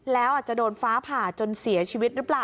แล้วอาจจะโดนฟ้าผ่าจนเสียชีวิตหรือเปล่า